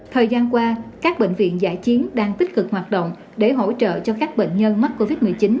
thời gian qua các bệnh viện giải chiến đang tích cực hoạt động để hỗ trợ cho các bệnh nhân mắc covid một mươi chín